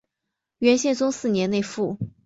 元宪宗四年内附。